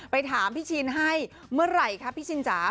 ถามพี่ชินให้เมื่อไหร่คะพี่ชินจ๋า